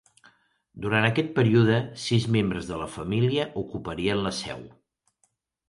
Durant aquest període, sis membres de la família ocuparien la seu.